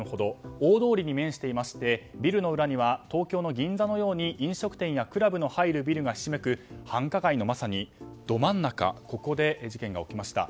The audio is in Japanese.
大通りに面していましてビルの裏には東京の銀座のように飲食店やクラブの入るビルがひしめく繁華街の、まさにど真ん中で事件が起こりました。